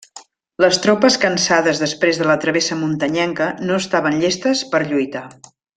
Les tropes cansades després de la travessa muntanyenca, no estaven llestes per lluitar.